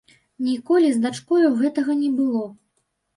Ніколі з дачкою гэтага не было.